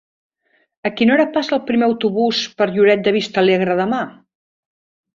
A quina hora passa el primer autobús per Lloret de Vistalegre demà?